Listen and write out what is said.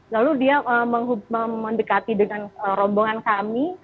lalu dia mendekati dengan rombongan kami